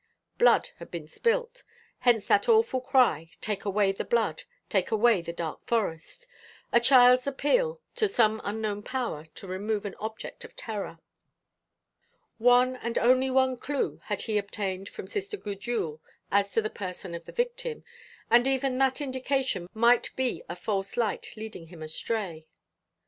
Blood had been spilt. Hence that awful cry, "Take away the blood, take away the dark forest!" a child's appeal to some unknown power to remove an object of terror. One and one only clue had he obtained from Sister Gudule as to the person of the victim, and even that indication might be a false light leading him astray.